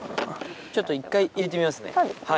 ちょっと１回入れてみますね。